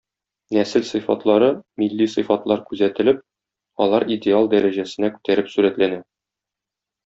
Нәсел сыйфатлары, милли сыйфатлар күзәтелеп, алар идеал дәрәҗәсенә күтәреп сурәтләнә.